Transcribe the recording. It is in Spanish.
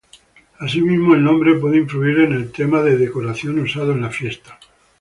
Asimismo el nombre puede influir en el tema de decoración usado en la fiesta.